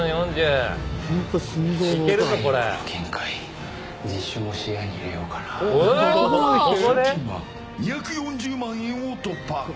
すでに賞金は２４０万円を突破。